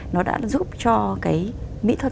nó đã giúp cho cái mỹ thuật